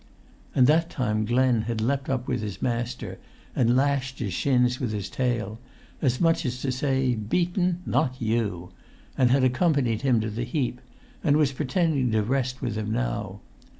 And that time Glen had leapt up with his master, and lashed his shins with his tail, as much as to say, "Beaten? Not you!" and had accompanied him to the heap, and was pretending to rest with him now.